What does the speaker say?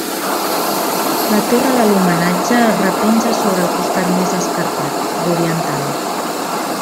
La torre de l'homenatge es repenja sobre el costat més escarpat, l'oriental.